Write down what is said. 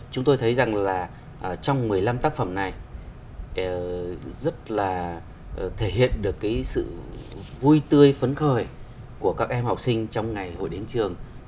chúng tôi thấy rằng là trong một mươi năm tác phẩm này rất là thể hiện được cái sự vui tươi phấn khởi của các em học sinh trong ngày hội đến trường